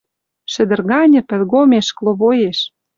Шӹдӹр ганьы, пӹлгомеш, кловоеш.